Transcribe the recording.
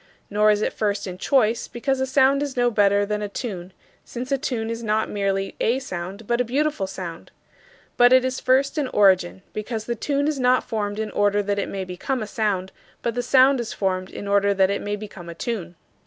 Nor is it first in choice, because a sound is no better than a tune, since a tune is not merely a sound but a beautiful sound. But it is first in origin, because the tune is not formed in order that it may become a sound, but the sound is formed in order that it may become a tune.